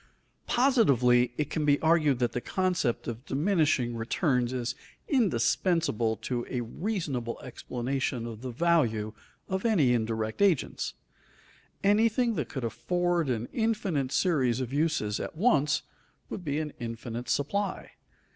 Positively it can be argued that the concept of diminishing returns is indispensable to a reasonable explanation of the value of any indirect agents. Anything that could afford an infinite series of uses at once would be an infinite supply.